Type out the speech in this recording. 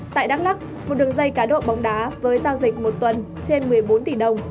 tại đắk lắc một đường dây cá độ bóng đá với giao dịch một tuần trên một mươi bốn tỷ đồng